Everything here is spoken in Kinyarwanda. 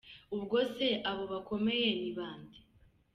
Ubwo se abo bakomeye ni bande?